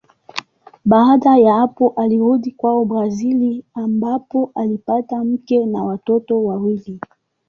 Baada ya hapo alirudi kwao Brazili ambapo alipata mke na watoto wawili.